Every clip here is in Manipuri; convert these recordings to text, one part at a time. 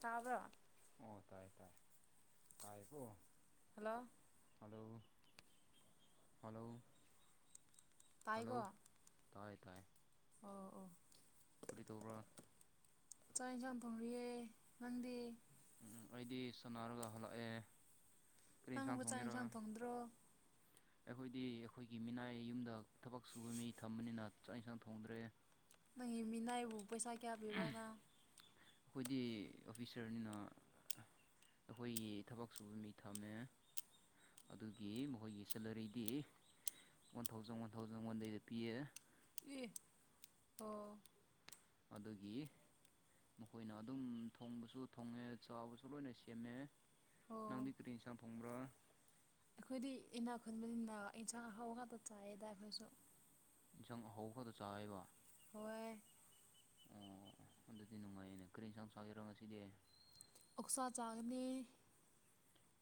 ꯇꯥꯕ꯭ꯔ ꯑꯣ ꯇꯥꯏ ꯇꯥꯏ ꯇꯥꯏꯕꯨꯣ ꯍꯜꯂꯣ ꯍꯂꯣ ꯍꯜꯂꯣ ꯇꯥꯏꯀꯣ ꯇꯥꯏ ꯇꯥꯏ ꯑꯣ ꯑꯣ ꯀꯗꯤ ꯇꯧꯕ꯭ꯔ ꯆꯥꯛ ꯌꯦꯟꯁꯥꯡ ꯐꯪꯔꯤꯌꯦꯦ ꯅꯪꯗꯤ ꯎꯝ ꯑꯩꯗꯤ ꯁꯥꯟꯅꯔꯒ ꯍꯜꯂꯛꯑꯦ ꯀꯔꯤ ꯌꯦꯟꯁꯥꯡ ꯅꯪꯕꯨ ꯆꯥꯛ ꯊꯣꯡꯖꯔ ꯊꯣꯡꯗ꯭ꯔꯣ ꯑꯩꯈꯣꯏꯗꯤ ꯑꯩꯈꯣꯏꯒꯤ ꯃꯤꯅꯥꯏ ꯌꯨꯝꯗ ꯊꯕꯛ ꯁꯨꯕ ꯃꯤ ꯊꯝꯕꯅꯤꯅ ꯆꯥꯛ ꯏꯟꯁꯥꯡ ꯊꯣꯡꯗ꯭ꯔꯦ ꯅꯪꯒꯤ ꯃꯤꯅꯥꯏꯕꯨ ꯄꯩꯁꯥ ꯀꯌꯥ ꯄꯤꯕ꯭ꯔꯥꯅ ꯑꯩꯈꯣꯏꯗꯤ ꯑꯣꯐꯤꯁꯥꯔꯅꯤꯅ ꯑꯩꯈꯣꯏꯒꯤ ꯊꯕꯛ ꯁꯨꯕ ꯃꯤ ꯊꯝꯃꯦ ꯑꯗꯨꯒꯤ ꯃꯈꯣꯏꯒꯤ ꯁꯦꯂꯔꯤꯗꯤ ꯋꯥꯟ ꯊꯥꯎꯖꯟ ꯋꯥꯟ ꯊꯥꯎꯖꯟ ꯋꯥꯟꯗꯩꯗ ꯄꯤꯌꯦꯦ ꯎ ꯑꯣꯣ ꯑꯗꯨꯒꯤ ꯃꯈꯣꯏꯅ ꯑꯗꯨꯝ ꯊꯣꯡꯕꯁꯨ ꯊꯣꯡꯉꯦ ꯆꯥꯎꯕꯁꯨ ꯂꯣꯏꯅ ꯁꯦꯝꯃꯦ ꯑꯣ ꯅꯗꯤ ꯀꯔꯤꯁꯥ ꯐꯣꯡꯕ꯭ꯔꯣ ꯑꯩꯈꯣꯏꯗꯤ ꯏꯅꯥ ꯈꯨꯟꯕꯅꯤꯅ ꯌꯦꯟꯁꯥꯡ ꯍꯥꯎ ꯉꯥꯛꯇ ꯆꯥꯏꯌꯦꯗ ꯑꯩꯈꯣꯏꯁꯨ ꯏꯟꯁꯥꯡ ꯑꯍꯧꯕ ꯈꯗꯣ ꯆꯥꯋꯦꯕ ꯍꯣꯏꯣꯏ ꯑꯣ ꯑꯗꯨꯗꯤ ꯅꯨꯡꯉꯥꯏꯌꯦꯅꯦ ꯀꯔꯤ ꯌꯦꯟꯁꯥꯡ ꯆꯕꯤꯔꯣ ꯉꯁꯤꯗꯤ ꯎꯛꯁꯥ ꯆꯥꯡꯅꯤ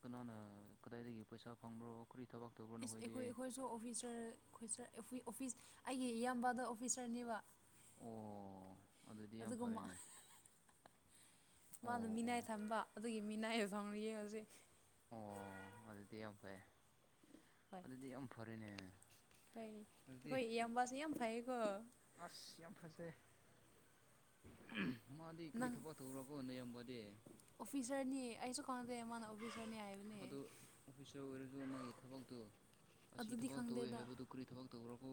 ꯀꯅꯥꯅ ꯀꯗꯥꯏꯗꯒꯤ ꯄꯩꯁꯥ ꯐꯪꯕ꯭ꯔꯣ ꯀꯔꯤ ꯊꯕꯛ ꯇꯧꯕ꯭ꯔꯣ ꯏꯁ ꯅꯈꯣꯏꯗꯤ ꯑꯩꯈꯣꯏ ꯑꯩꯈꯣꯏꯁꯨ ꯑꯣꯐꯤꯁꯔ ꯑꯣꯐꯤꯁ ꯑꯩꯒꯤ ꯏꯌꯥꯝꯕꯗ ꯑꯣꯐꯤꯁꯔꯅꯦꯕ ꯑꯣ ꯑꯗꯨꯗꯤ ꯌꯥꯝ ꯑꯗꯨꯒ ꯐꯔꯦꯅꯦ ꯃꯥꯅ ꯑꯣ ꯑꯣ ꯃꯤꯅꯥꯏ ꯊꯝꯕ ꯑꯗꯨꯒꯤ ꯃꯤꯅꯥꯏꯕ ꯐꯥꯎꯅ ꯌꯦꯡꯉꯖꯤꯛ ꯑꯣ ꯑꯗꯨꯗꯤ ꯌꯥꯝ ꯐꯩ ꯍꯣꯏ ꯑꯗꯨꯗꯤ ꯌꯥꯝ ꯐꯔꯦꯅꯦ ꯍꯣꯏ ꯑꯗꯨꯗꯤ ꯑꯩꯈꯣꯏ ꯏꯕꯁꯨ ꯌꯥꯝ ꯐꯩꯌꯦꯀꯣ ꯎꯝ ꯃꯥꯗꯤ ꯀꯔꯤ ꯅꯪ ꯊꯄ ꯊꯧꯔꯕꯣ ꯅꯔꯝꯕꯗꯤ ꯈꯗꯤ ꯏꯅ ꯑꯣꯐꯁ꯭ꯔꯅꯤ ꯍꯥꯏꯕꯅꯦ ꯑꯣꯐꯤꯁꯥꯔ ꯑꯣꯏꯔꯁꯨ ꯑꯗꯨ ꯃꯥꯒꯤ ꯊꯕꯛꯇꯣ ꯑꯁꯤ ꯑꯗꯨꯗꯤ ꯊꯕꯛ ꯇꯧꯋꯦ ꯈꯪꯗꯦꯗ ꯍꯥꯏꯕꯗꯨ ꯀꯔꯤ ꯊꯕꯛ ꯇꯧꯔꯕꯣ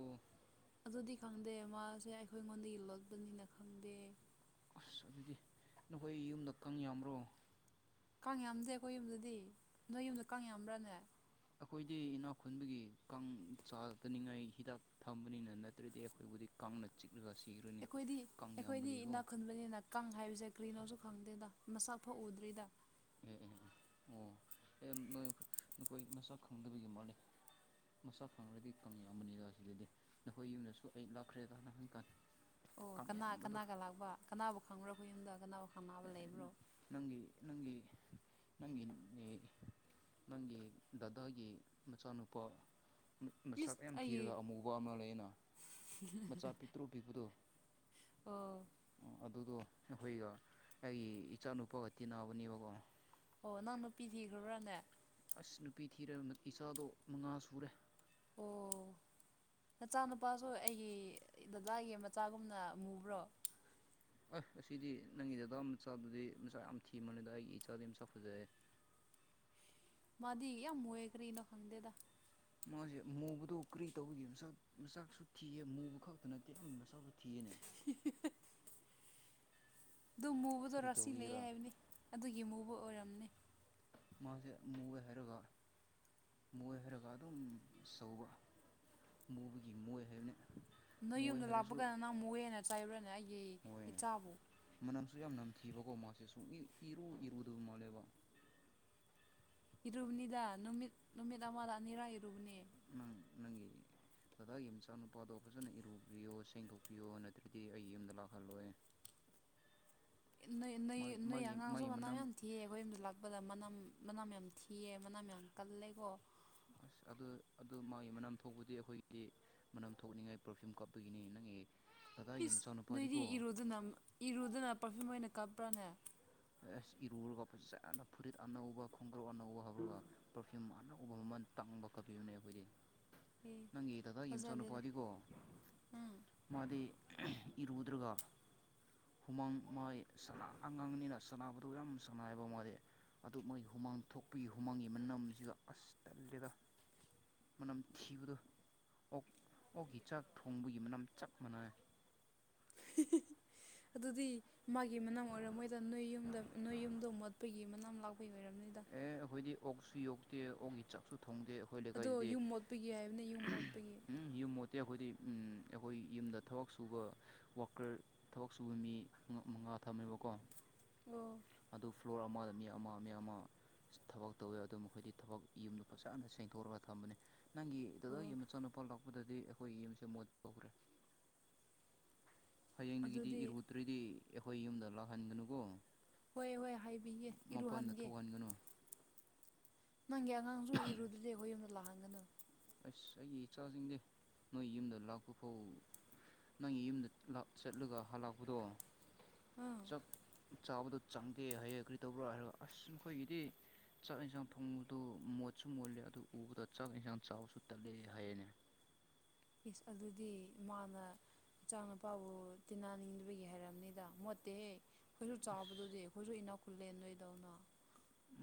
ꯑꯗꯨꯗꯤ ꯈꯪꯗꯦ ꯃꯥꯁꯦ ꯑꯩꯈꯣꯏ ꯑꯩꯉꯣꯟꯗ ꯏꯜꯂꯄꯅꯤꯅ ꯈꯪꯗꯦ ꯑꯁ ꯑꯗꯨꯗꯤ ꯅꯈꯣꯏ ꯌꯨꯝꯗ ꯈꯪ ꯌꯥꯝ꯭ꯔꯣ ꯀꯥꯡ ꯌꯥꯝꯗꯦ ꯑꯩꯈꯣꯏ ꯌꯨꯝꯗꯗꯤ ꯅꯣꯏ ꯌꯨꯝꯗ ꯀꯥꯡ ꯌꯥꯝꯕ꯭ꯔꯥꯅꯦ ꯑꯩꯈꯣꯏꯗꯤ ꯏꯅꯥ ꯈꯨꯨꯟꯕꯒꯤ ꯀꯥꯡ ꯆꯥꯇꯅꯤꯉꯥꯏ ꯍꯤꯗꯥꯛ ꯊꯝꯕꯅꯤꯅ ꯅꯠꯇ꯭ꯔꯗꯤ ꯑꯩꯈꯣꯏꯕꯨꯗꯤ ꯀꯪꯅꯆꯤ ꯑꯩꯈꯣꯏꯗꯤ ꯑꯩꯈꯣꯏꯗꯤ ꯏꯅꯥꯛ ꯈꯨꯟꯕꯅꯤꯅ ꯀꯥꯡ ꯍꯥꯏꯕꯁꯦ ꯀ꯭ꯔꯤꯅꯁꯨ ꯈꯪꯗꯦꯗ ꯃꯁꯛꯐ ꯎꯗ꯭ꯔꯤꯗ ꯑꯣ ꯅꯈꯣꯏ ꯃꯁꯛ ꯈꯪꯗꯕꯒꯤ ꯃꯥꯂꯦ ꯃꯁꯥ ꯐꯪꯕꯗꯤ ꯌꯥꯝꯕꯗꯗꯗꯤ ꯅꯈꯣꯏ ꯌꯨꯝꯗꯁꯨ ꯑꯩ ꯂꯥꯛꯈ꯭ꯔꯦ ꯑꯣ ꯀꯅꯥ ꯀꯅꯥꯒ ꯂꯥꯛꯕ ꯀꯅꯥꯕꯨ ꯈꯪꯅꯔꯕ ꯌꯨꯝꯗ ꯀꯅꯥꯕꯨ ꯈꯪꯅꯕ ꯂꯩꯕ꯭ꯔꯣ ꯅꯪ ꯅꯪ ꯅꯪꯪ ꯅꯪꯒꯤ ꯗꯗꯥꯒꯤ ꯃꯆꯥꯅꯨꯄꯥ ꯏꯁ ꯃꯆꯥꯛ ꯌꯥꯝ ꯑꯩꯒꯤ ꯊꯤꯔꯒ ꯑꯃꯨꯕ ꯑꯃ ꯂꯩ ꯑꯅ ꯃꯆꯥ ꯄꯤꯛꯇ꯭ꯔꯨ ꯄꯤꯕꯗꯣ ꯑꯣ ꯑꯗꯨꯗꯣ ꯑꯩꯈꯣꯏꯒ ꯑꯩꯒꯤ ꯏꯆꯥꯅꯨꯄꯥꯒ ꯇꯤꯟꯅꯕꯅꯦꯕꯀꯣ ꯑꯣ ꯅꯪ ꯅꯨꯄꯤ ꯊꯤꯈ꯭ꯔ꯭ꯔꯅꯦ ꯑꯁ ꯅꯨꯄꯤ ꯊꯤꯔꯦ ꯏꯆꯥꯗꯣ ꯃꯉꯥ ꯁꯨꯔꯦ ꯑꯣ ꯅꯆꯥꯅꯨꯄꯥꯁꯨ ꯑꯩꯒꯤ ꯗꯗꯥꯒꯤ ꯃꯆꯥꯒꯨꯝꯅ ꯃꯨꯕ꯭ꯔꯣ ꯑꯁ ꯑꯁꯤꯗꯤ ꯅꯪꯒꯤ ꯗꯗꯥ ꯃꯆꯥꯗꯨꯗꯤ ꯃꯆꯥ ꯌꯥꯝ ꯊꯤꯕꯅꯤꯗ ꯑꯩꯒꯤ ꯏꯆꯥꯗꯤ ꯌꯥꯝꯆꯥ ꯐꯖꯩꯑꯦ [unintelligible] ꯃꯙ ꯀ ꯃꯣꯌꯦꯛ ꯀꯔꯤꯅ ꯈꯥꯟꯗꯦꯗ ꯃꯥꯁꯦ ꯃꯨꯕꯗꯣ ꯀ꯭ꯔꯤ ꯇꯧꯕꯒꯤ ꯃꯆꯥꯛ ꯃꯆꯥꯛꯁꯨ ꯊꯤꯑ ꯃꯨꯕ ꯈꯛꯇ ꯅꯠꯇꯦ ꯑꯃꯒꯤ ꯃꯆꯥꯛ ꯊꯅ ꯑꯗꯨ ꯃꯨꯕꯗꯣ ꯔꯥꯁꯤ ꯂꯩ ꯇꯧꯕꯤꯒꯦꯔꯥ ꯍꯥꯏꯕꯅꯤ ꯑꯗꯨꯒꯤ ꯃꯨꯕ ꯑꯣꯏꯔꯝ ꯃꯥꯁꯦ ꯃꯨꯋ ꯍꯥꯏꯔꯒ ꯃꯣꯏ ꯍꯥꯏꯔꯒ ꯑꯗꯨꯝꯆꯧꯕ ꯃꯨꯕꯒꯤ ꯃꯣꯏ ꯍꯥꯏꯕꯅ ꯅꯣꯏ ꯌꯨꯝꯗ ꯂꯥꯛꯄ ꯀꯗ ꯅꯪ ꯃꯨꯛ ꯍꯦꯅ ꯆꯥꯏꯔꯨꯔꯅꯦ ꯑꯩꯒꯤ ꯏꯆꯥꯕꯨ ꯁꯨ ꯌꯥꯝ ꯅꯝꯊꯤꯕꯀꯣ ꯃꯥꯁꯦ ꯁꯨꯡ ꯏꯔꯨ ꯏꯔꯨꯗꯕ ꯃꯥꯜꯂꯦꯕ ꯏꯔꯨꯕꯅꯤꯗ ꯅꯨꯃꯤꯠ ꯅꯨꯃꯤꯠ ꯑꯃꯗ ꯑꯅꯤꯔꯛ ꯏꯔꯨꯕꯅꯤ ꯪ ꯅꯪꯒꯤꯤ ꯗꯗꯥꯒꯤ ꯃꯆꯥ ꯅꯨꯨꯄꯥꯗꯣ ꯐꯖꯅ ꯏꯔꯨꯕꯤꯌꯣ ꯁꯦꯡꯗꯣꯛꯄꯤꯌꯣ ꯅꯠꯇ꯭ꯔꯗꯤ ꯑꯩ ꯌꯨꯝꯗ ꯂꯥꯛꯍꯜꯂꯣꯏ [unintelligible] ꯅꯣꯏ ꯅꯣꯏ ꯃꯥꯒꯤ ꯅꯣꯏ ꯃꯥꯒꯤ ꯑꯉꯥꯡꯁꯨ ꯃꯥꯒꯤ ꯃꯅꯥ ꯃꯅꯝ ꯌꯥꯝ ꯊꯤꯑ ꯑꯩꯈꯣꯏ ꯌꯨꯝꯗ ꯂꯥꯛꯄꯗ ꯃꯅꯥ ꯎ ꯃꯅꯥ ꯃꯌꯥꯝ ꯊꯤꯌꯦ ꯃꯅꯥ ꯃꯌꯥꯝ ꯀꯜꯂꯦꯀꯣ ꯑ ꯑꯗꯨ ꯑꯗꯨ ꯃꯥꯒꯤ ꯃꯅꯝ ꯊꯣꯛꯄꯗꯤ ꯑꯩꯈꯣꯏꯒꯤꯗꯤ ꯃꯅꯝ ꯊꯣꯛꯅꯤꯡꯉꯥꯏ ꯄꯔꯐ꯭ꯌꯨꯝ ꯀꯥꯞꯄꯒꯤꯅꯤ ꯅꯪꯒꯤ ꯗꯗꯥꯒꯤ ꯏꯁ ꯅꯣꯏꯗꯤ ꯃꯆꯥꯅꯨꯄꯥꯗꯤꯀꯣ ꯏꯔꯨꯗꯅ ꯏꯔꯨꯗꯅ ꯄꯔꯐꯤꯌꯨꯝ ꯑꯣꯏꯅ ꯀꯥꯞꯄ꯭ꯔꯥꯅꯦ ꯑꯁ ꯏꯔꯨꯨꯔꯒꯄꯦ ꯆꯥꯅ ꯐꯨꯔꯤꯠ ꯑꯅꯧꯕ ꯈꯣꯡꯒ꯭ꯔꯧ ꯑꯅꯧ ꯌꯨꯝ ꯑꯅꯧꯕ ꯃꯃꯜ ꯇꯡꯕ ꯈꯣꯠꯄꯤꯕꯅꯦ ꯑꯩꯈꯣꯏꯗꯤ ꯅꯪꯒꯤ ꯗꯗꯥꯒꯤ ꯊꯥꯖꯗꯦꯗ ꯃꯆꯥꯅꯨꯄꯥꯗꯤꯀꯣ ꯎꯝ ꯃꯥꯗꯤ ꯏꯔꯨꯗ꯭ꯔꯒ ꯍꯨꯃꯥꯡ ꯃꯥꯏ ꯁꯂꯥ ꯑꯉꯥꯡꯅꯤꯅ ꯁꯅꯕꯗꯣ ꯌꯥꯝ ꯁꯅꯥꯏꯕ ꯃꯥꯗꯤ ꯑꯗꯨ ꯃꯥꯏ ꯍꯨꯃꯥꯡ ꯊꯣꯛꯄꯒꯤ ꯍꯨꯃꯥꯡꯒꯤ ꯃꯅꯝꯁꯤꯒ ꯑꯁ ꯇꯜꯂꯤ ꯗ ꯃꯅꯝ ꯊꯤꯕꯗꯣ ꯑꯣꯛ ꯑꯣꯛꯀꯤ ꯆꯥꯛ ꯊꯣꯡꯕꯒꯤ ꯃꯅꯝ ꯆꯞ ꯃꯥꯟꯅꯩ [inaudible] ꯑꯗꯨꯗꯤ ꯃꯥꯒꯤ ꯃꯅꯝ ꯑꯣꯏꯔꯝꯃꯣꯏꯗ ꯅꯣꯏ ꯌꯨꯝꯗ ꯅꯣꯏ ꯌꯨꯝꯗꯣ ꯃꯣꯠꯄꯒꯤ ꯃꯅꯥꯝ ꯂꯥꯛ ꯄꯩ ꯑꯣꯏꯔꯝꯅꯤꯗ ꯑꯦ ꯑꯩꯈꯣꯏꯗꯤ ꯑꯣꯛꯁꯨ ꯌꯣꯛꯇꯦ ꯑꯣꯛꯀꯤ ꯆꯥꯛꯁꯨ ꯊꯣꯡꯗꯦ ꯑꯩꯈꯣꯏ ꯑꯗꯣ ꯂꯩꯀꯥꯏꯗꯗꯤ ꯌꯨꯝ ꯃꯣꯠꯄꯒꯤ ꯍꯥꯏꯕꯅꯦ ꯌꯨꯝ ꯃꯣꯠꯄꯒꯤ ꯎꯝ ꯌꯨꯝꯃꯣꯠ ꯇꯦ ꯑꯩꯈꯣꯏꯗꯤ ꯎꯝ ꯑꯩꯈꯣꯏ ꯌꯨꯝꯗ ꯊꯕꯛ ꯁꯨꯕ ꯋꯥꯀꯔ ꯊꯕꯛ ꯁꯨꯕ ꯃꯤ ꯃ-ꯃꯉꯥ ꯊꯝꯃꯦꯕꯀꯣ ꯑꯣ ꯑꯗꯨ ꯐ꯭ꯂꯣꯔ ꯑꯃꯗ ꯃꯤ ꯑꯃ ꯃꯤ ꯑꯃ ꯏꯁ ꯊꯕꯛ ꯇꯧꯋꯦ ꯑꯗꯨ ꯃꯈꯣꯏꯗꯤ ꯊꯕꯛ ꯌꯨꯝꯗꯨ ꯐꯖꯅ ꯁꯦꯡꯇꯣꯔꯒ ꯊꯝꯕꯅꯤ ꯅꯪꯒꯤ ꯗꯗꯥꯒꯤ ꯑꯣ ꯃꯆꯥꯅꯨꯄꯥ ꯂꯥꯛꯄꯗꯗꯤ ꯑꯩꯈꯣꯏ ꯌꯨꯝꯁꯦ ꯃꯣꯠꯍꯧꯔꯦ꯫ ꯍꯌꯦꯡꯗꯒꯤꯗꯤ ꯑꯗꯨꯗꯤ ꯏꯔꯨꯇ꯭ꯔꯗꯤ ꯑꯩꯈꯣꯏ ꯌꯨꯝꯗ ꯂꯥꯛꯍꯟꯒꯅꯨꯀꯣ꯫ ꯍꯣꯏ ꯍꯣꯏ ꯍꯥꯏꯕꯤꯒꯦ ꯃꯄꯥꯟꯗ ꯏꯔꯨꯍꯟꯒꯦ ꯊꯣꯛꯍꯟꯒꯅꯨ ꯅꯪꯒꯤ ꯑꯉꯥꯡꯁꯨ ꯏꯔꯨꯗ꯭ꯔꯗꯤ ꯑꯩꯈꯣꯏ ꯌꯨꯝꯗ ꯂꯥꯛꯍꯟꯒꯅꯨ ꯑꯁ ꯑꯩꯒꯤ ꯏꯆꯥꯁꯤꯡꯖꯦ ꯅꯣꯏ ꯌꯨꯝꯗ ꯂꯥꯛꯄ ꯐꯥꯎ ꯅꯪꯒꯤ ꯌꯨꯝꯗ ꯂꯥꯛ ꯆꯠꯂꯒ ꯍꯜꯂꯛꯄꯗꯣ ꯑꯥ ꯆꯞ ꯆꯥꯕꯗꯣ ꯆꯪꯗꯦ ꯍꯥꯏꯌꯦ ꯀ꯭ꯔꯤ ꯇꯧꯕ꯭ꯔꯥ ꯍꯥꯏꯔ ꯑꯁ ꯑꯩꯈꯣꯏꯒꯤꯗꯤ ꯆꯥꯛ ꯍꯦꯟꯁꯥꯡ ꯊꯣꯡꯕꯗꯨ ꯃꯣꯠꯁꯨ ꯃꯣꯠꯂꯦ ꯑꯗꯨ ꯎꯕꯗ ꯆꯥꯛ ꯍꯦꯟꯖꯥꯡ ꯆꯥꯕꯁꯨ ꯇꯜꯂꯦ ꯍꯥꯏꯌꯦꯅꯦ ꯏꯁ ꯑꯗꯨꯗꯤ ꯃꯥꯅ ꯏꯆꯥꯥ ꯅꯨꯄꯥꯕꯨ ꯇꯤꯟꯅꯅꯤꯡꯗꯕꯒꯤ ꯍꯥꯏꯔꯝꯅꯤꯗ ꯃꯣꯠꯇꯦꯍꯦ ꯑꯩꯈꯣꯏꯁꯨ ꯆꯥꯎꯕꯗꯨꯗꯤ ꯑꯩꯈꯣꯏꯁꯨ ꯏꯅꯥꯛ ꯈꯨꯜꯂꯦ ꯅꯣꯏꯗꯧꯅ꯫ ꯎꯝ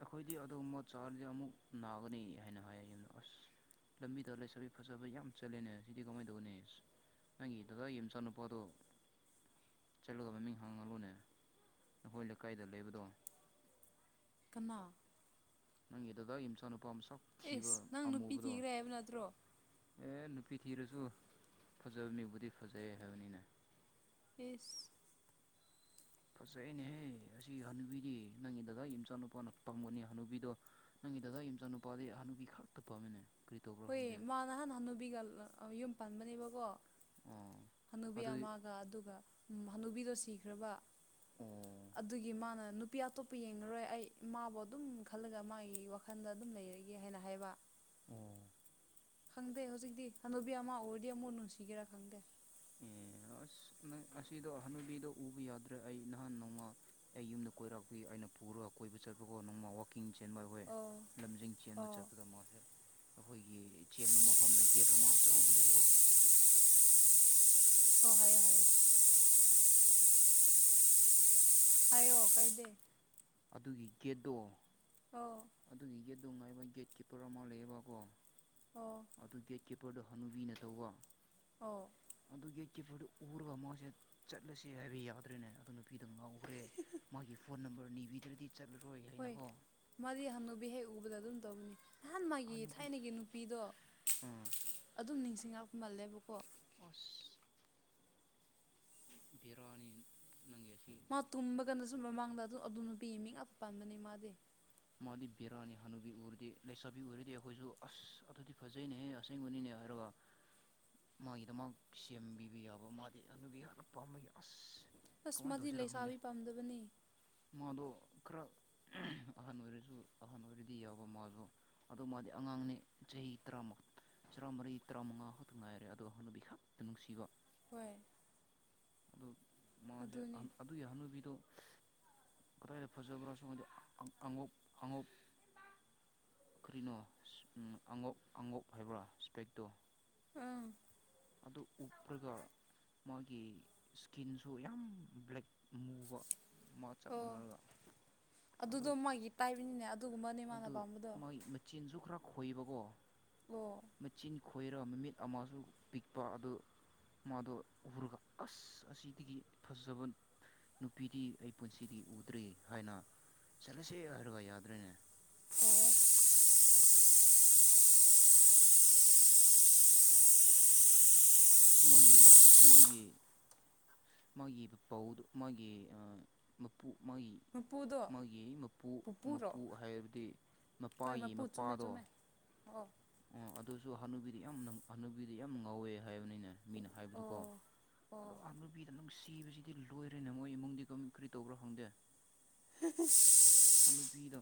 ꯑꯩꯈꯣꯏꯗꯤ ꯑꯗꯨꯒꯨꯝꯕ ꯆꯥꯔꯗꯤ ꯑꯃꯨꯛ ꯅꯥꯒꯅꯤ ꯍꯥꯏꯅ ꯍꯥꯏꯌꯦ ꯌꯨꯝꯗ ꯑꯁ꯫ ꯂꯝꯕꯤꯗ ꯂꯩꯥꯁꯕꯤ ꯐꯖꯕ ꯌꯥꯝ ꯆꯠꯂꯦꯅꯦ ꯁꯤꯗꯤ ꯀꯃꯥꯏ ꯇꯧꯅꯤ ꯑꯁ ꯅꯪꯒꯤꯗ ꯑꯩ ꯏꯆꯥꯅꯨꯄꯥꯗꯣ ꯆꯠꯂꯒ ꯃꯃꯤꯡ ꯍꯥꯡꯍꯜꯂꯨꯅꯦ ꯑꯈꯣꯏ ꯂꯩꯀꯥꯏꯗ ꯂꯩꯕꯗꯣ ꯀꯅꯥ ꯅꯪꯒꯤ ꯗꯗꯥꯒꯤ ꯃꯆꯥꯅꯨꯄꯥ ꯃꯁꯛ ꯑꯦꯁ ꯊꯤꯕ ꯅꯪ ꯅꯨꯄꯤ ꯑꯃꯨꯕꯗꯣ ꯊꯤꯈ꯭ꯔꯦ ꯍꯥꯏꯕ ꯅꯠꯇ꯭ꯔꯣ ꯑꯦ ꯅꯨꯞ ꯄꯤꯊꯤꯔꯁꯨ ꯐꯖꯕ ꯃꯤꯕꯨꯗꯤ ꯐꯖꯩ ꯍꯥꯏꯕꯅꯤꯅꯦ꯫ ꯏꯁ ꯐꯖꯩꯅꯦꯍꯦ ꯑꯁꯤ ꯍꯅꯨꯕꯤꯗꯤ ꯅꯪꯒꯤ ꯗꯗꯥꯒꯤ ꯃꯆꯥ ꯅꯨꯨꯄꯥꯅ ꯄꯪꯕꯅꯦ ꯍꯅꯨꯕꯤꯗꯣ ꯅꯪꯒꯤ ꯗꯗꯥꯒꯤ ꯃꯆꯥꯅꯨꯄꯥꯗꯤ ꯍꯅꯨꯕꯤ ꯈꯛꯇ ꯄꯥꯝꯃꯦꯅꯦ꯫ ꯍꯣꯏ ꯃꯥ ꯅꯍꯥꯟ ꯍꯥꯟꯅꯨꯕꯤꯒ ꯂꯥ ꯑ ꯌꯨꯝ ꯄꯥꯟꯕꯕꯅꯦꯕꯀꯣ ꯑꯣ ꯍꯅꯨꯕꯤ ꯑꯗꯨꯏ ꯑꯃꯒ ꯑꯗꯨꯒ ꯍꯅꯨꯕꯤꯗꯣ ꯁꯤꯈ꯭ꯔꯕ꯫ ꯑꯣ ꯑꯗꯨꯒꯤ ꯃꯥꯅ ꯅꯨꯞ ꯅꯨꯄꯤ ꯑꯇꯣꯞꯄ ꯌꯦꯡꯉꯔꯣꯏ ꯑꯩ ꯃꯥꯕꯨ ꯑꯗꯨꯝ ꯈꯜꯂꯒ ꯃꯥꯒꯤ ꯋꯥꯈꯟꯗ ꯑꯗꯨꯝ ꯂꯩꯔꯒꯦ ꯍꯥꯏꯅ ꯍꯥꯏꯕ꯫ ꯑꯣ ꯈꯪꯗꯦ ꯍꯧꯖꯤꯛꯇꯤ ꯍꯅꯨꯕꯤ ꯑꯃ ꯎꯔꯗꯤ ꯑꯃꯨꯛ ꯅꯨꯡꯁꯤꯒꯦꯔꯥ ꯈꯪꯗꯦ꯫ ꯎꯝ ꯑꯁ ꯅꯪ ꯑꯁꯤꯗꯣ ꯍꯅꯨꯕꯤꯗꯣ ꯎꯕ ꯌꯥꯗ꯭ꯔꯦ ꯑꯩ ꯅꯍꯥꯟ ꯅꯣꯡꯃ ꯑꯩ ꯌꯨꯝꯗ ꯀꯣꯏꯔꯛꯄꯤ ꯑꯩꯅ ꯄꯨꯔꯒ ꯀꯣꯏꯕ ꯆꯠꯄꯀꯣ ꯅꯣꯡꯃ ꯋꯥꯛꯀꯤꯡ ꯆꯦꯟꯕ ꯑꯩꯈꯣꯏ ꯑꯣ ꯂꯝꯖꯦꯟ ꯆꯦꯟꯕ ꯑꯣ ꯆꯠꯄꯒ ꯃꯥꯁꯦ ꯑꯩꯈꯣꯏꯒꯤ ꯆꯦꯟꯕ ꯃꯐꯝꯗ ꯒꯦꯠ ꯑꯃ ꯑꯆꯧꯕ ꯂꯩꯕꯣ꯫ ꯑꯣ ꯍꯥꯏꯌꯣ- ꯍꯥꯏꯌꯣ ꯍꯥꯏꯌꯣ ꯀꯥꯏꯗꯦ ꯑꯗꯨꯒꯤ ꯒꯦꯠꯇꯣ ꯑꯣ ꯑꯗꯨꯒꯤ ꯒꯦꯠ ꯑꯗꯨ ꯉꯥꯏꯕ ꯒꯦꯠꯀꯤꯞꯄꯔ ꯑꯃ ꯂꯩꯌꯦꯕꯀꯣ ꯑꯣ ꯑꯗꯨ ꯒꯦꯠꯀꯤꯤꯞꯄꯔꯗꯣ ꯍꯅꯨꯕꯤꯅ ꯇꯧꯕ ꯑꯣ ꯑꯗꯨꯒꯤ ꯀꯤꯞꯄꯣꯔꯗ ꯎꯔꯒ ꯃꯥꯁꯦ ꯆꯠꯂꯁꯦ ꯍꯥꯏꯕ ꯌꯥꯗ꯭ꯔꯦꯅꯦ ꯑꯗꯨ ꯅꯨꯄꯤꯗ ꯉꯥꯎꯈ꯭ꯔꯦ ꯃꯥꯒꯤ ꯐꯣꯟ ꯅꯝꯕꯔ ꯅꯤꯕꯤꯗ꯭ꯔꯗꯤ ꯆꯠꯂꯔꯣꯏ ꯍꯣꯏ ꯍꯥꯏꯅꯀꯣ ꯃꯥꯗꯤ ꯍꯅꯨꯕ ꯍꯦꯛ ꯎꯕꯗ ꯑꯗꯨꯝ ꯇꯧꯕꯅꯤ ꯅꯍꯥꯟ ꯑ ꯃꯥꯒꯤ ꯅꯨꯄꯤ ꯊꯥꯏꯅꯒꯤ ꯅꯨꯄꯤꯗꯣ ꯑꯗꯨꯝ ꯅꯤꯡꯁꯤꯡꯉꯛꯄꯃꯜꯂꯦꯕꯀꯣ ꯑꯣꯁ ꯕꯤꯔꯅꯤ ꯃꯥ ꯇꯨꯝꯕꯒꯅꯁꯨ ꯃꯃꯥꯡꯗ ꯑꯗꯨ ꯑꯗꯨ ꯅꯨꯄꯤꯒꯤ ꯃꯤ ꯉꯥꯛꯇ ꯄꯥꯟꯕꯅꯤ ꯃꯥꯗꯤ ꯃ ꯑꯗꯤ ꯕꯦꯔ ꯑꯅꯤ ꯍꯅꯨꯕꯤ ꯎꯔꯤꯗꯤꯦ ꯂ ꯂꯩ ꯁꯕꯤ ꯎꯔꯔꯤꯗꯤꯦ ꯑꯩꯈꯣꯏꯁꯨ ꯑꯁ ꯑꯊꯗꯤꯤ ꯐꯖꯩꯅꯅꯦ ꯍ ꯑꯁꯦꯡ ꯎꯨꯅꯤ ꯍꯥꯏꯔꯣ ꯑꯗꯨꯒ ꯃꯥꯒꯤꯗꯃꯛ ꯁꯦꯝꯕꯤꯕ ꯌꯥꯕ ꯃꯥꯗꯤ ꯑꯅꯕꯤ ꯑꯍꯅꯄꯥ ꯑꯃ ꯑꯁ ꯑꯁ ꯀꯃꯥꯏꯅ ꯃꯥꯗꯤ ꯂꯩꯁꯥꯕꯤ ꯄꯥꯝꯗꯕꯅꯤ ꯃꯗ ꯈꯔ ꯑꯍꯟ ꯑꯣꯏꯔꯁꯨ ꯑꯍꯟ ꯑꯣꯏꯔꯗꯤ ꯌꯥꯎꯕ ꯃꯥꯁꯨ ꯑꯗ ꯃꯥꯗꯤ ꯑꯉꯥꯡꯅꯤ ꯆꯍꯤ ꯇꯔꯥꯃꯨꯛ ꯆꯔꯥꯃꯔꯤ ꯇꯔꯥꯃꯉꯥ ꯈꯛꯇ ꯉꯥꯏꯔꯦ ꯑꯗꯣ ꯍꯅꯕꯤꯈꯛꯇ ꯅꯨꯡꯁꯤꯕ ꯍꯣꯏ ꯑꯗꯨ ꯃꯥꯁꯦ ꯑꯗꯨꯅꯤ ꯑꯗꯨꯒꯤꯍꯅꯨꯕꯤꯗꯣ ꯀꯔꯗ ꯐꯖꯕ꯭ꯔꯕ ꯁ ꯑꯉ ꯑꯉꯨꯞ ꯀꯔꯤꯅꯣ ꯑꯉꯣꯛ ꯑꯉꯣꯛ ꯍꯥꯏꯕ꯭ꯔ ꯏꯁꯄꯦꯛꯇꯣ ꯎꯝ ꯑꯗꯨ ꯎꯞꯄꯒ ꯃꯥꯒꯤ ꯏꯁꯀꯤꯟꯁꯨ ꯌꯥꯝ ꯕ꯭ꯂꯦꯛ ꯃꯨꯕ ꯃꯥ ꯆꯞ ꯑꯣ ꯃꯥꯟꯅꯔꯒ ꯑꯗꯣ ꯑꯗꯨꯗꯣ ꯃꯥꯒꯤ ꯄꯥꯏꯕꯅꯤꯅꯦ ꯑꯗꯨ ꯃꯣꯏ ꯃꯆꯤꯟꯁꯨ ꯈꯔ ꯈꯣꯏꯕꯀꯣ ꯑꯣ ꯃꯆꯤꯟ ꯈꯣꯏꯔ ꯃꯤꯃꯤꯠ ꯑꯃꯁꯨ ꯄꯤꯛꯄ ꯑꯗꯨ ꯃꯥꯗꯣ ꯎꯔꯒ ꯑꯁ ꯑꯁꯤꯗꯒꯤ ꯐꯖꯕ ꯅꯨꯄꯤꯗꯤ ꯑꯩ ꯄꯨꯟꯁꯤꯗꯤ ꯎꯗ꯭ꯔꯤ ꯍꯥꯏꯅ ꯆꯠꯂꯁꯦ ꯍꯥꯏꯔꯒ ꯌꯥꯗ꯭ꯔꯦꯅꯦ ꯑꯣ ꯃꯣꯏꯒꯤ ꯃꯣꯏꯒꯤ ꯃꯥꯒꯤ ꯄꯥꯎꯗꯨ ꯃꯥꯒꯤ ꯃꯄꯨ ꯃꯥꯒꯤ ꯃꯄꯨꯗꯣ ꯃꯥꯒꯤ ꯃꯄꯨ ꯄꯨꯄꯨꯔꯣ ꯃꯄꯨ ꯍꯥꯏꯕꯗꯤ ꯍꯣꯏ ꯃꯄꯥꯒꯤ ꯃꯄꯨ ꯆꯨꯝꯃꯦ ꯃꯄꯥꯗꯣ ꯆꯨꯝꯃꯦ ꯑꯣ ꯑꯣ ꯑꯗꯨꯁꯨ ꯍꯅꯨꯕꯤ ꯌꯥꯝꯅꯕꯤꯗꯤ ꯌꯥꯝ ꯉꯥꯎꯋꯦ ꯍꯥꯏꯕꯅꯤꯅꯦ ꯃꯤꯅ ꯍꯥꯏꯕꯗꯨꯀꯣ ꯑꯣ ꯑꯣ ꯁꯤꯕꯁꯤꯗꯤ ꯂꯣꯏꯔꯦꯅ ꯃꯣꯏ ꯏꯃꯨꯡꯗꯤ ꯀꯃ ꯀꯔꯤ ꯇꯧꯕ꯭ꯔꯣ ꯍꯪꯗꯦ ꯍꯝ ꯑꯄꯤꯗ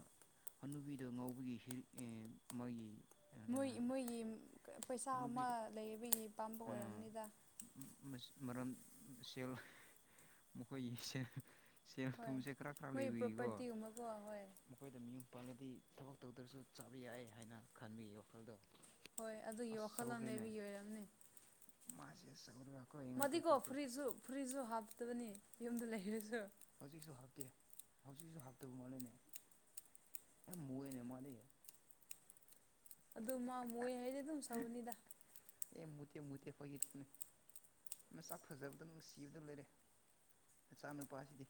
ꯑꯅꯨꯄꯤꯗ ꯉꯥꯎꯕꯒꯤ ꯃꯥꯒꯤ ꯃꯣꯏ ꯃꯣꯏꯒꯤ ꯄꯩꯁꯥ ꯍꯅꯨꯕꯤ ꯑꯃ ꯂꯩꯕꯒꯤ ꯄꯄꯥꯝꯕ ꯑꯣꯏꯔꯝꯅꯤꯗ ꯃꯔꯝ ꯁꯦꯜ ꯃꯈꯣꯏꯁꯦ ꯁꯦꯜ ꯍꯣꯏ ꯊꯨꯝꯁꯦ ꯈꯔ ꯈꯔ ꯃꯣꯏ ꯂꯩꯕꯨꯏꯀꯣ ꯄ꯭ꯔꯣꯄꯔꯇꯤꯒꯨꯝꯕꯀꯣ ꯍꯣꯏ ꯃꯈꯣꯏꯗ ꯃꯤꯌꯨꯝ ꯄꯥꯟꯜꯂꯗꯤ ꯊꯕꯛ ꯇꯧꯗ꯭ꯔꯁꯨ ꯆꯥꯕ ꯌꯥꯏ ꯍꯥꯏꯅ ꯈꯟꯕꯤ ꯋꯥꯈꯜꯗꯣ ꯍꯣꯏ ꯑꯗꯨꯒꯤ ꯑꯁ ꯋꯥꯈꯜꯂꯣꯟ ꯁꯧꯈ꯭ꯔꯦꯅꯦ ꯂꯩꯕꯒꯤ ꯑꯣꯏꯔꯝꯅꯦ ꯃꯥꯁꯦ ꯁꯧꯔꯒ ꯀꯣ ꯌꯦꯡꯉꯣ ꯃꯥꯗꯤꯀꯣ ꯐꯨꯔꯤꯠꯁꯨ ꯐꯨꯔꯤꯠꯁꯨ ꯍꯥꯞꯇꯕꯅꯤ ꯌꯨꯝꯗ ꯂꯩꯔꯁꯨ ꯍꯧꯖꯤꯛꯁꯨ ꯍꯥꯞꯇꯦ ꯍꯧꯖꯤꯛꯁꯨ ꯍꯥꯞꯇꯕ ꯃꯅꯅꯦ ꯃꯣꯏ ꯑꯦꯗꯦ ꯑꯗꯨ ꯃꯥ ꯃꯣꯏ ꯍꯥꯏꯔꯦ ꯑꯗꯨꯝ ꯁꯥꯎꯅꯤꯗ ꯑꯦ ꯃꯨꯠꯇꯦ ꯃꯨꯠꯇꯦ ꯐꯣꯏꯒꯤꯔꯄꯅꯦ ꯅ ꯆꯥꯛ ꯐꯖꯕꯗ ꯑꯗꯨ ꯁꯤꯕꯗ ꯂꯩꯔꯦ ꯆꯥ ꯅꯨꯄꯥꯁꯤꯗꯤ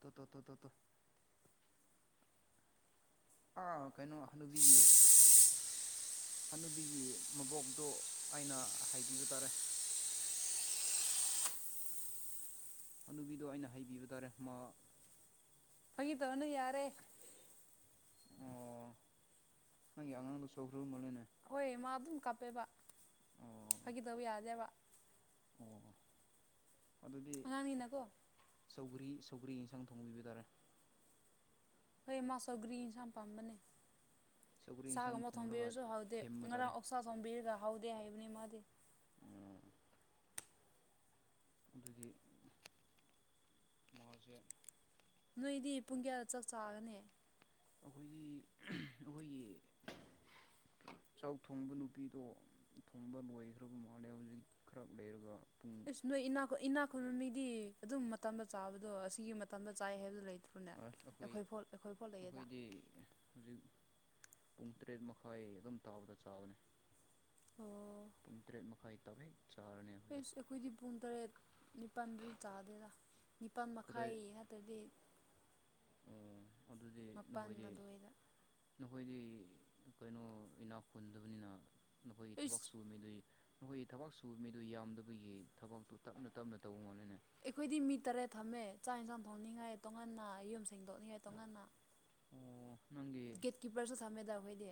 ꯇꯣ ꯇꯣ ꯇꯣꯇꯣ ꯇꯣ ꯑꯥ ꯀꯩꯅꯣ ꯍꯜꯅꯨꯕꯤꯌꯦ ꯍꯅꯕꯤꯒꯤ ꯃꯕꯣꯛꯇꯣ ꯑꯩꯅ ꯍꯥꯏꯕꯤꯕ ꯇꯥꯔꯦ ꯍꯅꯕꯤꯗꯣ ꯑꯩꯅ ꯍꯩꯕꯤꯕ ꯇꯥꯔꯦ ꯃꯥ ꯐ ꯇꯅ ꯌꯥꯔꯦ ꯑꯣ ꯅꯪ ꯑꯉꯥꯡ ꯁꯈ꯭ꯔ ꯃꯅꯦ ꯍꯣꯏ ꯃꯥ ꯑꯗꯨꯝ ꯀꯥꯞꯄꯦꯕ ꯑꯣ ꯍꯥꯏꯈꯤꯗꯧ ꯌꯥꯗꯦꯕ ꯑꯣ ꯑꯗꯨꯗꯤ ꯑꯉꯥꯡꯒꯤꯅꯀꯣ ꯁꯧꯒ꯭ꯔꯤ ꯁꯧꯒ꯭ꯔꯤ ꯌꯦꯟꯁꯥꯡ ꯊꯣꯡꯕꯤꯕ ꯇꯥꯔꯦ ꯍꯣꯏ ꯃꯥꯁꯧ ꯒ꯭ꯔꯤꯟꯁ ꯌꯥꯝ ꯄꯥꯝꯕꯅꯦ ꯁꯧꯒ꯭ꯔꯤ ꯌꯦꯟꯁꯥꯡ ꯆꯥꯛꯒꯨꯝꯕ ꯊꯣꯡꯔꯒ ꯊꯣꯝꯕꯤꯔꯁꯨ ꯍꯥꯎꯗꯦ ꯊꯦꯝꯕ ꯇꯥꯔꯦ ꯉꯔꯥꯡ ꯑꯣꯁꯥ ꯊꯣꯝꯕꯤꯔꯒ ꯍꯥꯎꯗꯦ ꯍꯥꯏꯕꯅꯤ ꯃꯥꯗꯤ ꯑꯣ ꯑꯗꯨꯗꯤ ꯃꯁꯦ ꯅꯣꯏꯗꯤ ꯄꯨꯡ ꯀꯌꯥꯗ ꯆꯞ ꯆꯥꯒꯅꯦ ꯑꯩꯈꯣꯏꯒꯤ ꯑꯩꯈꯣꯏꯒꯤ ꯆꯥꯛ ꯊꯣꯡꯕ ꯅꯨꯄꯤꯗꯣ ꯊꯣꯡꯕ ꯂꯣꯏꯈ꯭ꯔꯕ ꯃꯥꯜꯂꯦ ꯍꯧꯖꯤꯛ ꯈꯔ ꯂꯩꯔꯒ ꯄꯨꯡ ꯏꯁꯁ ꯅꯣꯏ ꯏ ꯏꯅꯥ ꯈꯨꯟꯕ ꯃꯤꯗꯤ ꯑꯗꯨꯝ ꯃꯇꯝꯝꯕ ꯆꯥꯕꯗꯣ ꯑꯁꯤꯒꯤ ꯃꯇꯝꯝꯕ ꯆꯥꯏ ꯍꯥꯏꯕꯗꯨ ꯂꯩꯇꯦ ꯑ ꯑꯩꯈꯣꯏ ꯑꯩꯈꯣꯏꯗꯤ ꯍꯧꯖꯤꯛ ꯄꯨꯡ ꯇꯔꯦꯠ ꯃꯈꯥꯏ ꯑꯗꯨꯝ ꯇꯥꯕꯗ ꯆꯥꯕꯅꯤ ꯑꯣ ꯄꯨꯡ ꯇꯔꯦꯠ ꯃꯈꯈꯥꯏ ꯇꯔꯦ ꯑꯩꯈꯣꯏꯗꯤ ꯄꯨꯡ ꯇꯔꯦꯠ ꯅꯤꯄꯥꯜꯗꯨ ꯇꯥꯗꯦꯗ ꯅꯤꯄꯥꯜ ꯀꯗꯥꯏ ꯃꯈꯥꯏ ꯅꯠꯇ꯭ꯔꯗꯤ ꯑꯣ ꯑꯗꯨꯗꯤ ꯃꯄꯥꯟ ꯅꯈꯣꯏꯗꯤ ꯑꯗꯨꯋꯥꯏꯗ ꯑꯩꯈꯣꯏꯗꯤ ꯀꯩꯅꯣ ꯏꯅꯥꯎ ꯈꯨꯟꯗꯕꯅꯤꯅ ꯅꯈꯣꯏꯒꯤ ꯊꯕꯛ ꯏꯁ ꯁꯨꯕ ꯃꯤꯗꯨ ꯑꯩꯈꯣꯏꯒꯤ ꯊꯕꯛ ꯁꯨꯕ ꯃꯤꯗꯨ ꯌꯥꯝꯗꯕꯒꯤ ꯊꯕꯛꯇꯨ ꯇꯞꯅ ꯇꯞꯅ ꯇꯧꯕ ꯃꯥꯅꯤꯅꯦ ꯑꯩꯈꯣꯏꯗꯤ ꯃꯤ ꯇꯔꯦꯠ ꯊꯝꯃꯦ ꯆꯥꯛ ꯏꯟꯁꯥꯡ ꯊꯣꯡꯅꯤꯡꯉꯥꯏ ꯇꯣꯉꯅ ꯌꯨꯝ ꯁꯦꯡꯗꯣꯛꯅꯤꯡꯉꯥꯏ ꯇꯣꯉꯅ ꯑꯣ ꯅꯪꯒꯤ ꯑꯩꯈꯣꯏꯗꯤ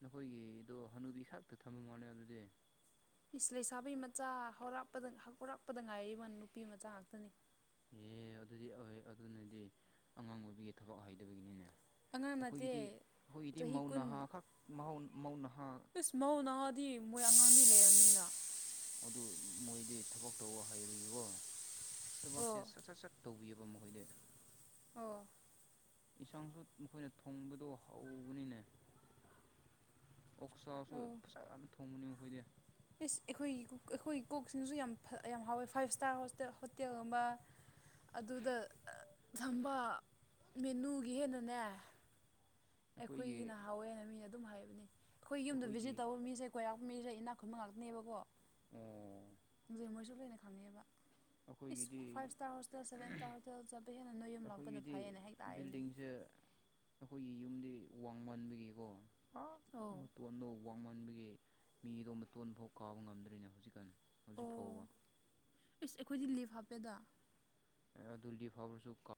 ꯅꯈꯣꯏꯒꯤꯗꯣ ꯍꯅꯨꯕꯤ ꯈꯥꯛꯇ ꯊꯝ ꯉꯣꯅꯤ ꯑꯗꯨꯗꯤ ꯏꯁ ꯂꯩꯁꯥꯕꯤꯩ ꯃꯆꯥ ꯍꯧꯔꯄꯗ ꯍꯧꯔꯛꯄꯗ ꯉꯥꯏꯃ ꯅꯨꯄꯤ ꯃꯆꯥ ꯉꯥꯛꯇꯅꯤ ꯑꯦ ꯑꯗꯨꯗꯤ ꯑꯗꯨꯅꯗꯤ ꯑꯉꯥꯡ ꯑꯣꯏꯕꯤꯒꯤ ꯊꯕꯛ ꯍꯥꯏꯗꯕꯒꯤꯅꯤꯅꯦ ꯑꯉꯥꯡ ꯅꯠꯇꯦ ꯑꯩꯈꯣꯏꯒꯤꯗꯤ ꯑꯩꯈꯣꯏꯒꯤꯗꯤ ꯃꯧꯅꯍꯥ ꯈꯛꯧꯅꯍꯥ ꯏꯁꯁ ꯃꯧ ꯅꯍꯥꯗꯤ ꯃꯣꯏ ꯑꯉꯥꯡꯗꯤ ꯂꯩꯔꯕꯝꯅꯤꯅ ꯑꯗꯨ ꯃꯣꯏꯗꯤ ꯊꯕꯛ ꯇꯧꯕ ꯍꯥꯏꯕꯒꯤꯀꯣ ꯑꯣ ꯊꯕꯛꯁꯦ ꯁꯠ ꯁꯠ ꯁꯠ ꯇꯧꯕꯤꯌꯨ ꯑꯗꯨꯝ ꯃꯨꯍꯣꯏꯗ ꯑꯣ ꯌꯦꯟꯁꯥꯡꯁꯨ ꯃꯈꯣꯏꯅ ꯊꯣꯡꯕꯗꯣ ꯍꯧꯕꯅꯤꯅꯦ ꯑꯣꯁꯥꯁꯨꯥ ꯑꯣ ꯊꯣꯡꯕꯅꯤ ꯑꯩꯈꯣꯏꯗꯤ ꯏꯁ ꯑꯩꯈꯣꯏꯒꯤ ꯑꯩꯈꯣꯏ ꯀꯣꯛꯁꯤꯡꯁꯨ ꯌꯥꯝ ꯌꯥꯝ ꯍꯥꯎꯋꯦ ꯐꯥꯏꯚ ꯏꯁꯇꯥꯔ ꯍꯣꯇꯦꯜꯒꯨꯝꯕ ꯑꯗꯨꯗ ꯊꯝꯕ ꯃꯦꯅꯨꯒꯤ ꯍꯦꯟꯅꯅꯦ ꯑꯩꯈꯣꯏꯒꯤ ꯑꯩꯈꯣꯏꯒꯤꯅ ꯍꯥꯎꯋꯦꯅ ꯃꯤꯅ ꯑꯗꯨꯝ ꯍꯥꯏꯕꯅꯤ ꯑꯩꯈꯣꯏ ꯌꯨꯝꯗ ꯑꯩꯈꯣꯏꯒꯤ ꯚꯤꯖꯤꯠ ꯇꯧꯕ ꯃꯤꯁꯦ ꯀꯣꯏꯔꯥꯛꯛꯄ ꯃꯤꯁꯦ ꯏꯅꯥꯛ ꯈꯃ ꯉꯥꯛꯇꯅꯦꯕꯀꯣꯖ ꯃꯣꯏꯁꯨ ꯂꯩꯣꯏꯅ ꯈꯪꯅꯦꯕ ꯎ ꯑꯩꯈꯣꯏꯒꯤꯗꯤ ꯁꯚꯦꯟ ꯏꯁꯇꯥꯔ ꯍꯣꯇꯦꯜ ꯆꯠꯄ ꯍꯦꯟꯅ ꯅꯣꯏ ꯌꯨꯝ ꯂꯥꯛꯄꯅ ꯑꯩꯈꯣꯏꯒꯤꯗꯤ ꯐꯩꯌꯦꯅ ꯍꯦꯛ ꯇꯥꯏꯌꯨꯅꯦ ꯕꯤꯜꯗꯤꯡꯁꯦ ꯑꯩꯈꯣꯏꯒꯤ ꯌꯨꯝꯗꯤ ꯋꯥꯡꯃꯟꯕꯤꯒꯤꯀꯣ ꯑꯧ ꯑꯣ ꯋꯥꯡꯃ ꯑꯩꯒꯤ ꯃꯤꯗꯣ ꯃꯇꯇꯣꯟꯕ ꯐꯥꯎ ꯀꯥꯕ ꯉꯝꯗ꯭ꯔꯤꯅꯦ ꯍꯧꯖꯤꯛꯀꯥꯟ ꯍꯧꯖꯤꯛ ꯐꯥꯎꯕ ꯑꯣ ꯏꯁ ꯑꯩꯈꯣꯏꯗꯤ ꯂꯤꯞ ꯍꯥꯞꯄꯦꯗ ꯑꯗꯨ ꯐꯁꯨ